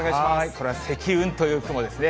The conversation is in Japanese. これは積雲という雲ですね。